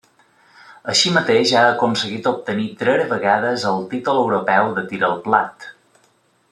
Així mateix ha aconseguit obtenir tres vegades el títol europeu de tir al plat.